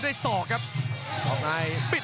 กำปั้นขวาสายวัดระยะไปเรื่อย